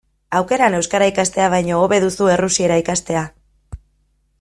Aukeran, euskara ikastea baino, hobe duzu errusiera ikastea.